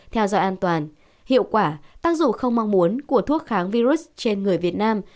theo dõi an toàn hiệu quả tác dụng không mong muốn của thuốc kháng virus trên người việt nam